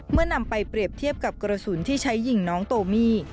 นำไปเปรียบเทียบกับกระสุนที่ใช้ยิงน้องโตมี่